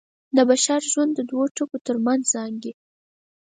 د بشر ژوند د دوو ټکو تر منځ زانګي.